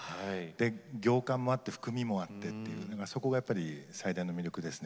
行間もあって含みもあってというそこがやっぱり最大の魅力ですね。